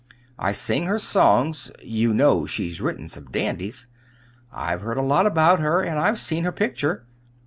I sing her songs (you know she's written some dandies!), I've heard a lot about her, and I've seen her picture."